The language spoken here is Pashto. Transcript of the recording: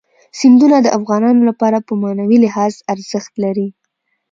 سیندونه د افغانانو لپاره په معنوي لحاظ ارزښت لري.